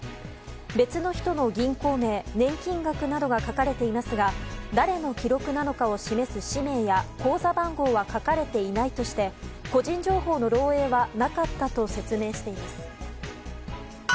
別の人の銀行名、年金額などが書かれていますが誰の記録なのかを示す氏名や口座番号は書かれていないとして個人情報の漏洩はなかったと説明しています。